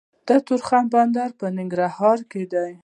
د تورخم بندر په ننګرهار کې دی